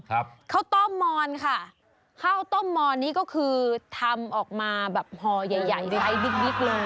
ครับเข้าต้มมอนค่ะเข้าต้มมอนนี่ก็คือทำออกมาแบบหอใหญ่ใหญ่ไปดิ๊กดิ๊กเลย